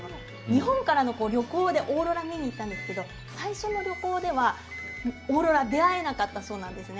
日本からの旅行でオーロラを見に行ったんですが最初の旅行ではオーロラに出会えなかったそうです。